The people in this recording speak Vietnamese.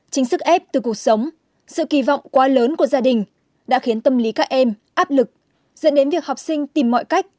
chính sức ép từ cuộc sống sự kỳ vọng quá lớn của gia đình đã khiến tâm lý các em áp lực dẫn đến việc học sinh tìm mọi cách